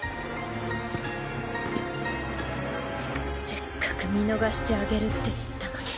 せっかく見逃してあげるって言ったのに。